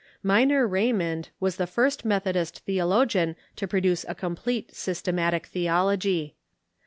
Miner Raymond Avas the first Methodist theologian to produce a complete "Systematic Theology."